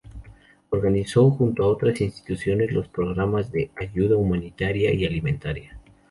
Organizó junto a otras instituciones los programas de ayuda humanitaria y alimentaria.